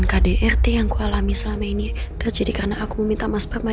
kenapa belum mikir sampai ke sana